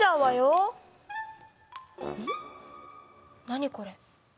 何これ？